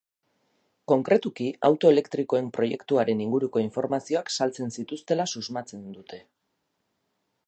Konkretuki, auto elektrikoen proiektuaren inguruko informazioak saltzen zituztela susmatzen dute.